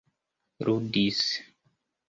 ludis